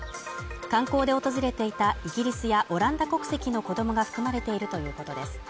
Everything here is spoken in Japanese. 観光で訪れていたイギリスやオランダ国籍の子供が含まれているということです。